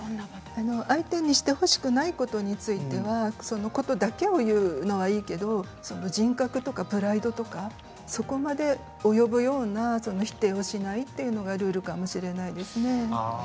相手にしてほしくないことについてはそのことだけを言うのはいいけど人格とかプライドとかそこまで及ぶような否定はしないというのがルールかもしれませんね。